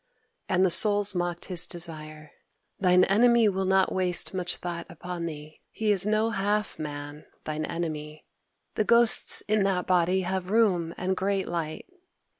And the Souls mocked his desire: "Thine enemy will not waste much thought upon thee. He is no half man, thine enemy! The ghosts in that body have room and great light.